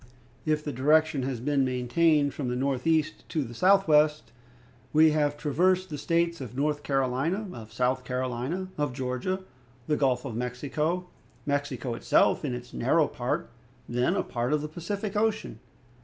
If the direction has been maintained from the northeast to the southwest, we have traversed the States of North Carolina, of South Carolina, of Georgia, the Gulf of Mexico, Mexico, itself, in its narrow part, then a part of the Pacific Ocean.